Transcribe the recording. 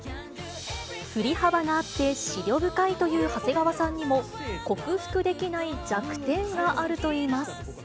振り幅があって、思慮深いという長谷川さんにも、克服できない弱点があるといいます。